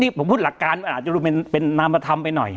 นี่ผมพูดหลักการมันอาจจะเป็นนามธรรมไปหน่อย